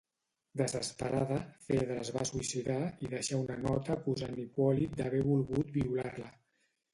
Desesperada, Fedra es va suïcidar i deixà una nota acusant Hipòlit d'haver volgut violar-la.